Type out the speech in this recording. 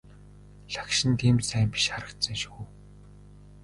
Лагшин нь тийм ч сайн биш харагдсан шүү.